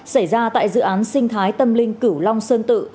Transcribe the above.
xảy ra tại dự án sinh thái tâm linh cửu long sơn tự